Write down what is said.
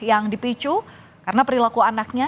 yang dipicu karena perilaku anaknya